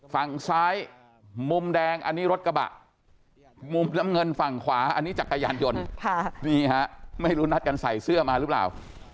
ฝั่งซ้ายมุมแดงอันนี้รถกระบะมุมน้ำเงินฝั่งขวาอันนี้จักรยานยนต์นี่ฮะไม่รู้นัดกันใส่เสื้อมาหรือเปล่า